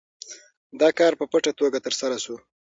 دا کار په پټه توګه ترسره شو.